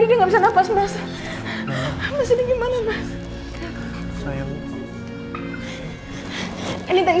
din pelan pelan din